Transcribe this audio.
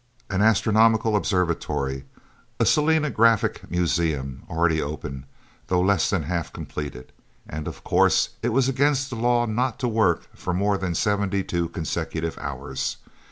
An astronomical observatory; a selenographic museum, already open, though less than half completed. And of course it was against the law not to work for more than seventy two consecutive hours.